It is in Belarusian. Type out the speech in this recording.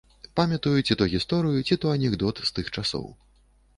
Памятаю ці то гісторыю, ці то анекдот з тых часоў.